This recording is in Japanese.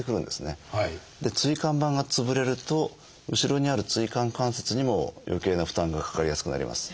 椎間板が潰れると後ろにある椎間関節にもよけいな負担がかかりやすくなります。